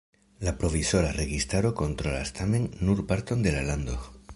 La provizora registaro kontrolas tamen nur parton de la lando.